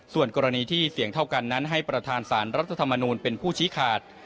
ส่วนกรณีที่เสี่ยงเท่ากันนั้นให้ประธานสารรัฐธรรมนูลเป็นผู้ชี้ขาด